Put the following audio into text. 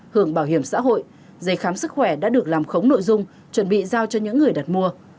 hưởng bảo hiểm xã hội giấy khám sức khỏe đã được làm khống nội dung chuẩn bị giao cho những người đặt mua